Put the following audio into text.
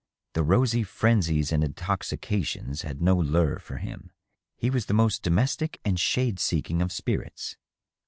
The rosy frenzies and intoxications had no lure for him ; he was the most domestic and shade seeking of spirits.